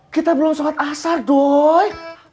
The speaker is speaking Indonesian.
kita belum sholat asar dong